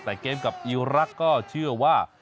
แต่เกมกับอีรักษ์ก็เชื่อว่า